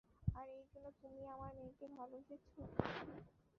আর এই জন্যই তুমি আমার মেয়েকে ভালোবেসেছ?